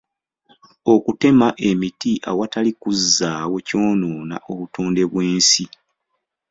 Okutema emiti awatali kuzzaawo kyonoona obutonde bw'ensi.